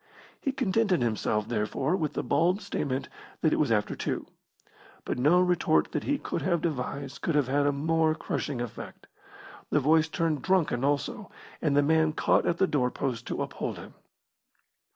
He contented himself, therefore, with the bald statement that it was after two. But no retort that he could have devised could have had a more crushing effect. The voice turned drunken also, and the man caught at the door post to uphold him.